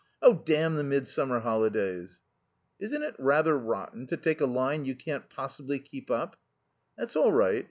"Oh, damn the midsummer holidays!" "Isn't it rather rotten to take a line you can't possibly keep up?" "That's all right.